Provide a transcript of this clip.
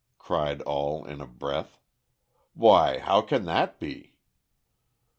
cried all in a breath, "Why, how can that be?"